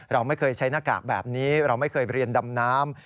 เราไม่เคยใช้หน้ากากแบบนี้เราไม่เคยเรียนดำน้ำ